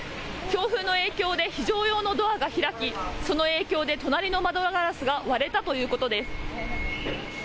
強風の影響で非常用のドアが開き、その影響で隣の窓ガラスが割れたということです。